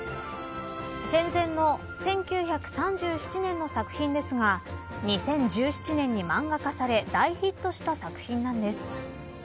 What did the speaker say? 戦前の１９３７年の作品ですが２０１７年に漫画家され大ヒットした作品なんです。